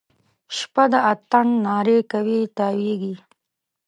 شپه د اتڼ نارې کوي تاویږي